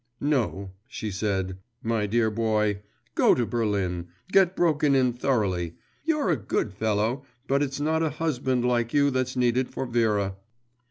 'No,' she said; 'my dear boy, go to Berlin, get broken in thoroughly. You're a good fellow; but it's not a husband like you that's needed for Vera.